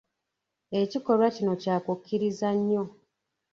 Ekikolwa kino kya kukkiriza nnyo.